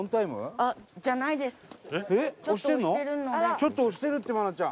ちょっと押してるって愛菜ちゃん。